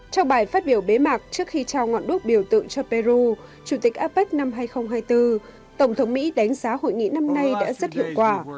trong bài phát biểu bế mạc trước khi trao ngọn đuốc biểu tượng cho peru chủ tịch apec năm hai nghìn hai mươi bốn tổng thống mỹ đánh giá hội nghị năm nay đã rất hiệu quả